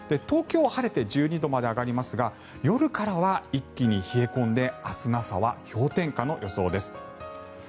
東京晴れて１２度まで上がりますが夜からは一気に冷え込んで明日の朝は氷点下の予想です。